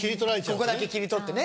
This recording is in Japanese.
ここだけ切り取ってね。